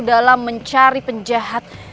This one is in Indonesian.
dalam mencari penjahat